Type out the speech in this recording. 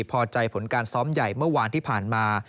พอใจผลการซ้อมใหญ่เมื่อวานที่ผ่านมา